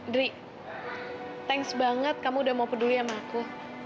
dri thanks banget kamu udah mau peduli sama aku